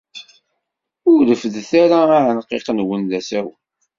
Ur reffdet ara aɛenqiq-nwen d asawen.